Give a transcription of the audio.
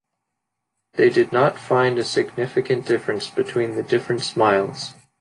They did not find a significant difference between the different smiles.